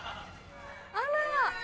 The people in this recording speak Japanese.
あら！